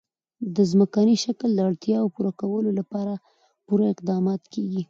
د ځمکني شکل د اړتیاوو پوره کولو لپاره پوره اقدامات کېږي.